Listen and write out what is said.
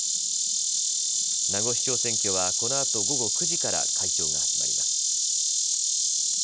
名護市長選挙はこのあと午後９時から開票が始まります。